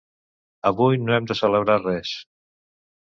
Avui no hem de celebrar res.